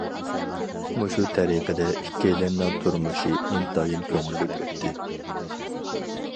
مۇشۇ تەرىقىدە ئىككىيلەننىڭ تۇرمۇشى ئىنتايىن كۆڭۈللۈك ئۆتتى.